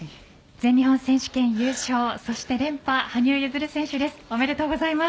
全日本選手権優勝、そして連覇羽生結弦選手です。